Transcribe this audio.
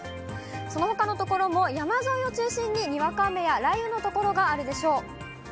そのほかの所も、山沿いを中心ににわか雨や雷雨の所があるでしょう。